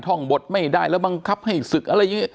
ท่องบทไม่ได้แล้วบังคับให้ศึกอะไรอย่างนี้